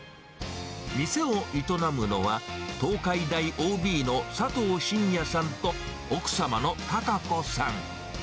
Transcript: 店を営むのは、東海大ＯＢの佐藤慎也さんと奥様の貴子さん。